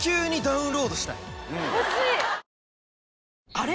あれ？